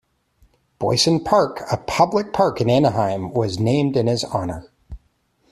Boysen Park, a public park in Anaheim, was named in his honor.